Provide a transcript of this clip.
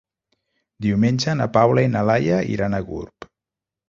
Diumenge na Paula i na Laia iran a Gurb.